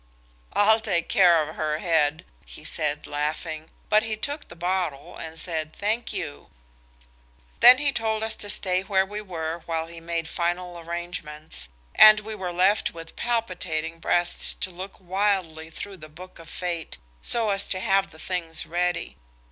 "I'll take care of her head," he said, laughing, but he took the bottle and said, "Thank you." Then he told us to stay where we were while he made final arrangements, and we were left with palpitating breasts to look wildly through the Book of Fate, so as to have the things ready.